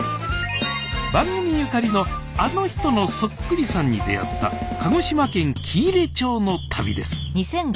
番組ゆかりのあの人のそっくりさんに出会った鹿児島県喜入町の旅です